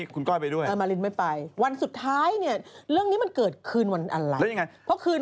ก้อยมิวไปกินสเต็กกับก้อย